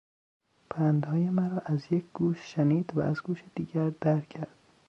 پندهای مرا از یک گوش شنید و از گوش دیگر در کرد.